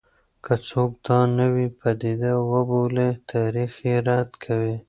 که څوک دا نوې پدیده وبولي، تاریخ یې رد کوي.